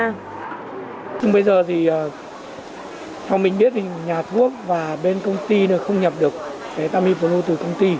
bây giờ thì theo mình biết thì nhà thuốc và bên công ty không nhập được tamiflu từ công ty